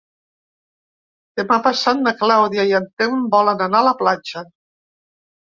Demà passat na Clàudia i en Telm volen anar a la platja.